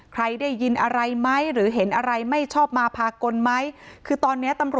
ใครได้ยินอะไรไหมหรือเห็นอะไรไม่ชอบมาภากลไหม